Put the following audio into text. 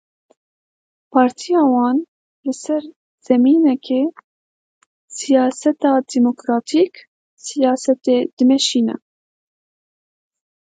Partiya wan li ser zemînekê siyaseta demokratîk siyasetê dimeşîne.